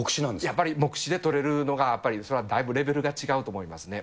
やっぱり目視で取れるのが、やっぱりそれはだいぶレベルが違うと思いますね。